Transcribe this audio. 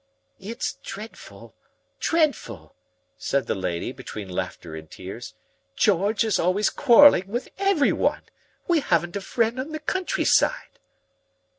"It's dreadful dreadful!" cried the lady, between laughter and tears. "George is always quarreling with everyone. We haven't a friend on the countryside."